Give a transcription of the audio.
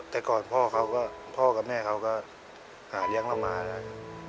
แต่ก่อนพ่อกับแม่เขาก็หาเลี้ยงลำม้าได้